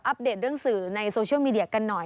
เดตเรื่องสื่อในโซเชียลมีเดียกันหน่อย